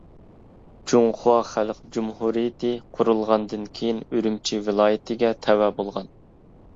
جۇڭخۇا خەلق جۇمھۇرىيىتى قۇرۇلغاندىن كېيىن ئۈرۈمچى ۋىلايىتىگە تەۋە بولغان.